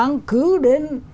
hàng tháng cứ đến